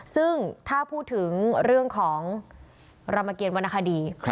ซึ่งถ้าพูดถึงเรื่องของรามเกียรวรรณคดี